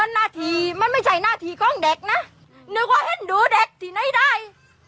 นาทีมันไม่ใช่หน้าที่ของเด็กนะนึกว่าเห็นดูเด็กที่ไหนได้